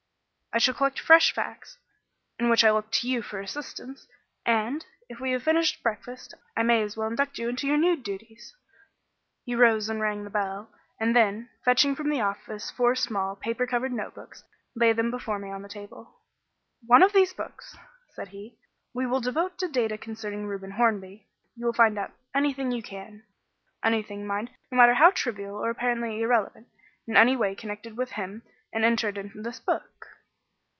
"I shall collect fresh facts, in which I look to you for assistance, and, if we have finished breakfast, I may as well induct you into your new duties." He rose and rang the bell, and then, fetching from the office four small, paper covered notebooks, laid them before me on the table. "One of these books," said he, "we will devote to data concerning Reuben Hornby. You will find out anything you can anything, mind, no matter how trivial or apparently irrelevant in any way connected with him and enter it in this book."